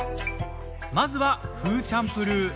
まずは、フーチャンプルー。